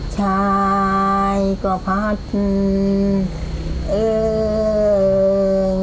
ชายกระพะจืน